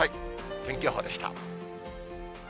天気予報でした。